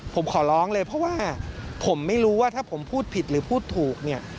ผมขอร้องเลยเพราะว่าผมไม่รู้ว่าถ้าผมพูดผิดหรือพูดถูกเนี่ย